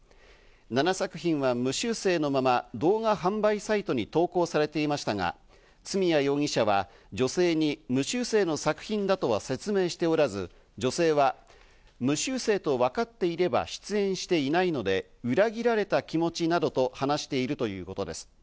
７作品は無修正のまま動画販売サイトに投稿されていましたが、角谷容疑者は女性に無修正の作品だと説明しておらず、女性は無修正と分かっていれば出演していないので裏切られた気持ちなどと話しているということです。